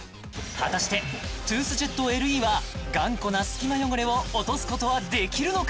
果たしてトゥースジェットＬＥは頑固な隙間汚れを落とすことはできるのか？